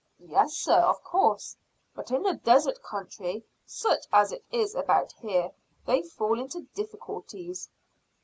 "Yes, sir, of course; but in a desert country such as it is about here they fall into difficulties."